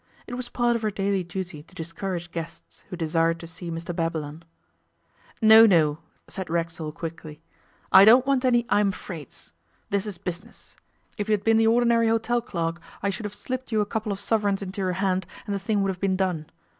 It was part of her daily duty to discourage guests who desired to see Mr Babylon. 'No, no,' said Racksole quickly, 'I don't want any "I'm afraids." This is business. If you had been the ordinary hotel clerk I should have slipped you a couple of sovereigns into your hand, and the thing would have been done.